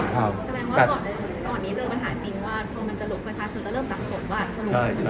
แสดงว่าก่อนก่อนนี้เจอปัญหาจริงว่าเพราะมันจะหลุดประชาชนแต่เริ่มสับสนว่า